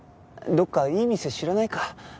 どこかいい店知らないか？